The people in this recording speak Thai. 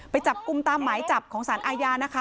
ไปจับกลุ่มตามหมายจับของสารอาญานะคะ